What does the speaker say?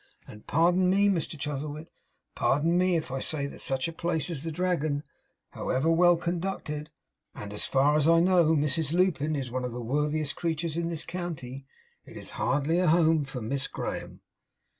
And pardon me, Mr Chuzzlewit, pardon me if I say that such a place as the Dragon, however well conducted (and, as far as I know, Mrs Lupin is one of the worthiest creatures in this county), is hardly a home for Miss Graham.